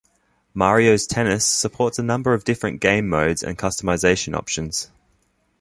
"Mario's Tennis" supports a number of different game modes and customization options.